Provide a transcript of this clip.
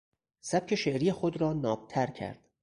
سبک شعری خود را نابتر کرد.